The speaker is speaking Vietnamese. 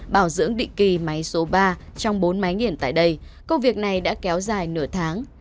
bảo dưỡng định kỳ máy số ba trong bốn máy nghiền tại đây công việc này đã kéo dài nửa tháng